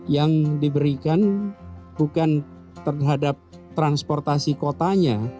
yang diberikan bukan terhadap transportasi kotanya